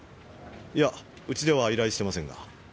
いやうちでは依頼してませんが。